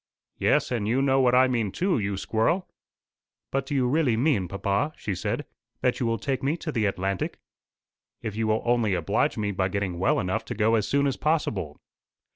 "Yes; and you know what I mean too, you squirrel!" "But do you really mean, papa," she said "that you will take me to the Atlantic?" "If you will only oblige me by getting Well enough to go as soon as possible."